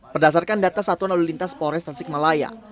berdasarkan data satuan lalu lintas polres tansik malaya